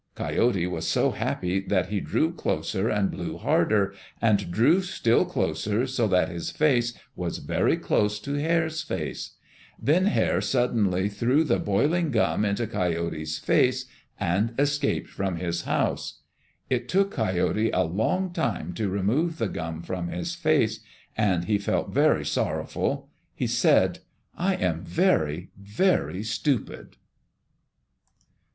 Coyote was so happy that he drew closer and blew harder, and drew still closer so that his face was very close to Hare's face. Then Hare suddenly threw the boiling gum into Coyote's face and escaped from his house. It took Coyote a long time to remove the gum from his face, and he felt very sorrowful. He said, "I am very, very stupid."